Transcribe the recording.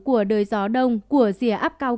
của đời gió đông của rìa áp cao